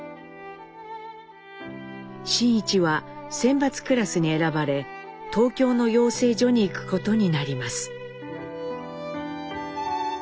真一は選抜クラスに選ばれ東京の養成所に行くことになります。